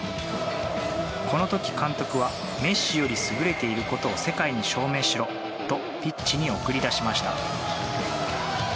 この時、監督はメッシより優れていることを世界に証明しろとピッチに送り出しました。